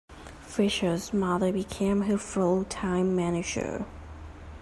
Fishel's mother became her full-time manager.